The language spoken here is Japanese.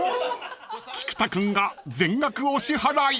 ［菊田君が全額お支払い］